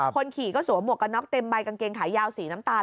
คนขี่ก็สวมหวกกันน็อกเต็มใบกางเกงขายาวสีน้ำตาล